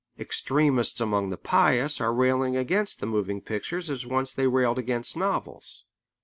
Extremists among the pious are railing against the moving pictures as once they railed against novels.